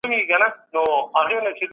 تر پایه به ټول شیان چمتو سوي وي.